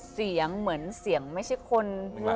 เสียงเหมือนเสียงไม่ใช่คน